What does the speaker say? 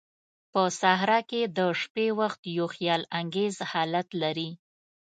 په صحراء کې د شپې وخت یو خیال انگیز حالت لري.